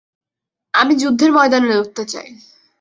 আমি যুদ্ধের ময়দানে লড়তে চাই!